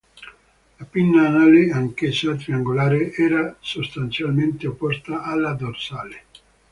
La pinna anale, anch'essa triangolare, era sostanzialmente opposta alla dorsale.